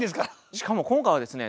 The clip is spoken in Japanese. しかも今回はですね